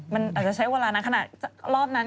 มันอาจจะใช้เวลานั้นขนาดรอบนั้น